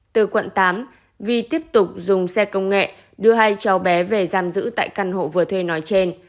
từ quận tám vi tiếp tục dùng xe công nghệ đưa hai cháu bé về giam giữ tại căn hộ vừa thuê nói trên